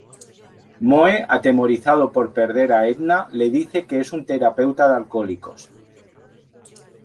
Moe, atemorizado por perder a Edna, le dice que es un terapeuta de alcohólicos.